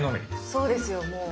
そうですよもう。